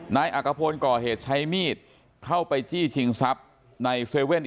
นายอักภพลก่อเหตุใช้มีดเข้าไปจี้ชิงทรัพย์ใน๗๑๑